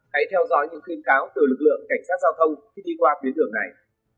hãy theo dõi những khuyên cáo từ lực lượng cảnh sát giao thông khi đi qua tuyến đường này